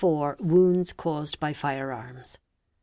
—Wounds caused by fire arms.